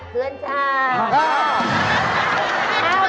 เพื่อนชาย